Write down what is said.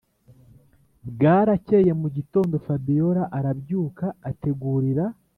bwarakeye mugitondo fabiora arabyuka ategurira